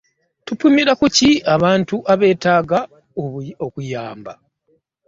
Tupimira ku ki abantu abeetaaga okuyamba?